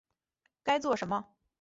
该做什么